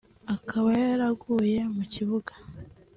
akaba yaraguye mu kibuga